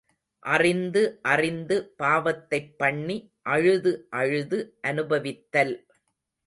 அறிந்து அறிந்து பாவத்தைப் பண்ணி அழுது அழுது அனுபவித்தல்.